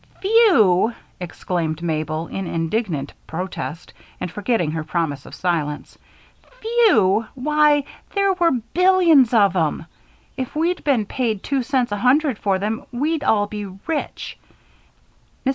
"Few!" exclaimed Mabel, in indignant protest and forgetting her promise of silence. "Few! Why, there were billions of 'em. If we'd been paid two cents a hundred for them, we'd all be rich. Mr.